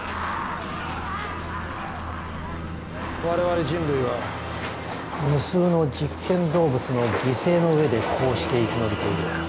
我々人類は無数の実験動物の犠牲の上でこうして生き延びている。